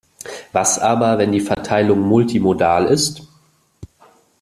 Was aber, wenn die Verteilung multimodal ist?